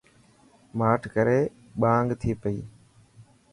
ماٺ ڪر ٻانگ ٿي پئي.